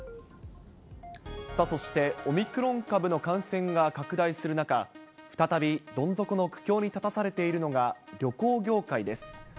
そしてオミクロン株の感染が拡大する中、再びどん底の苦境に立たされているのが、旅行業界です。